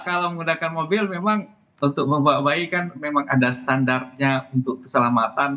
kalau menggunakan mobil memang untuk membawa bayi kan memang ada standarnya untuk keselamatan